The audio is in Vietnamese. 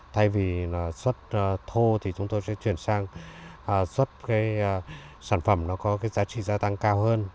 thay vì xuất thô thì chúng tôi sẽ chuyển sang xuất sản phẩm có giá trị gia tăng cao hơn